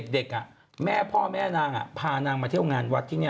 เด็กแม่พ่อแม่นางพานางมาเที่ยวงานวัดที่นี่